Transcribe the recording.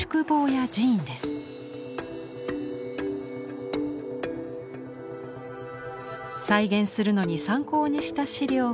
再現するのに参考にした資料がこちら。